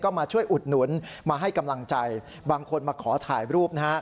มาช่วยอุดหนุนมาให้กำลังใจบางคนมาขอถ่ายรูปนะฮะ